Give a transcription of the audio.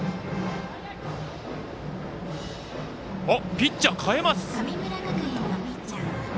ピッチャー代えます。